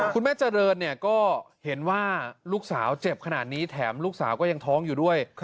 คุณแม่เจริญเนี่ยก็เห็นว่าลูกสาวเจ็บขนาดนี้แถมลูกสาวก็ยังท้องอยู่ด้วย